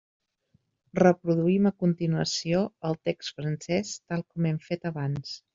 Reproduïm a continuació el text francès, tal com hem fet abans.